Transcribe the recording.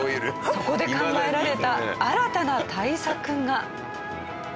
そこで考えられた新たな対策が。